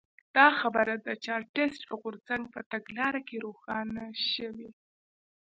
دا خبره د چارټېست غورځنګ په تګلاره کې روښانه شوې.